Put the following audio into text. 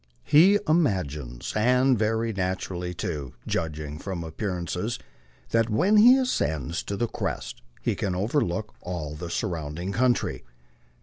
He imagines, and very naturally too, judging from appearances, that when he ascends to the crest he can overlook all the surrounding country.